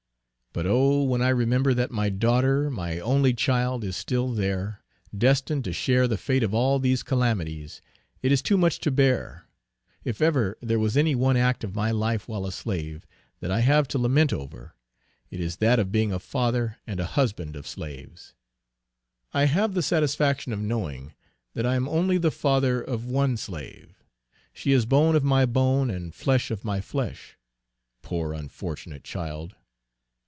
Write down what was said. But oh! when I remember that my daughter, my only child, is still there, destined to share the fate of all these calamities, it is too much to bear. If ever there was any one act of my life while a slave, that I have to lament over, it is that of being a father and a husband of slaves. I have the satisfaction of knowing that I am only the father of one slave. She is bone of my bone, and flesh of my flesh; poor unfortunate child.